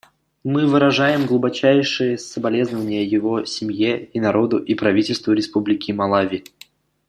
Мы выражаем глубочайшие соболезнования его семье и народу и правительству Республики Малави.